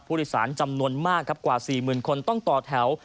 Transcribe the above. ผู้โดยสารจำนวนมากครับกว่า๔๐๐๐คนต้องต่อแถว